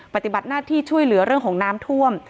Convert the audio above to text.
ปฏิบัติหน้าที่ช่วยเหลือเรื่องของน้ำท่วม